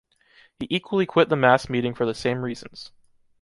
He equally quit the mass meeting for the same reasons.